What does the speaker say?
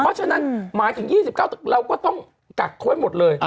เพราะฉะนั้นหมายถึง๒๙เราก็ต้องกักเขาไว้หมดเลย